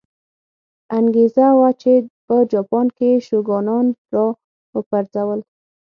انګېزه وه چې په جاپان کې یې شوګانان را وپرځول.